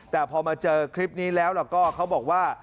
แต่พอมาเจอคลิปนี้แล้วก็เขาบอกว่า